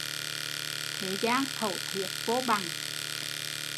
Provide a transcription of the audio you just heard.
Thế gian khẩu thuyết vô bằng